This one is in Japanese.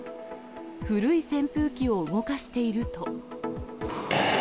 古い扇風機を動かしていると。